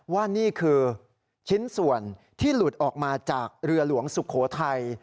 ว่านี่คือชิ้นส่วนที่หลุดออกมาจากเรือหลวงสุโขทัย